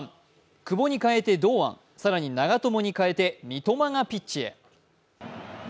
久保に代えて堂安更に長友に代えて三笘がピッチへ。